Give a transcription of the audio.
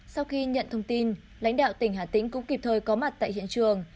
sau khi nhận thông tin lãnh đạo tỉnh hà tĩnh cũng kịp thời có mặt tại hiện trường